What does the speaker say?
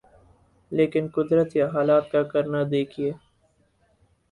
لیکن قدرت یا حالات کا کرنا دیکھیے۔